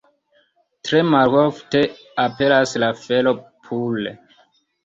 Tre malofte aperas la fero pure.